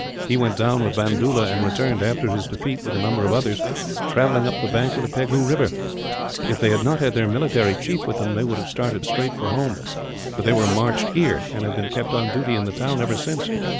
He went down with Bandoola; and returned after his defeat, with a number of others, travelling up the bank of the Pegu river. If they had not had their military chief with them, they would have started straight for home. But they were marched here, and have been kept on duty in the town, ever since.